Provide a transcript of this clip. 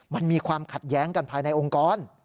มันมีความขัดแย้งกันภายในองค์กร